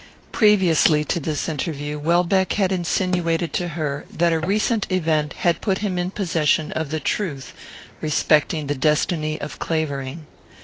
Previously to this interview, Welbeck had insinuated to her that a recent event had put him in possession of the truth respecting the destiny of Clavering.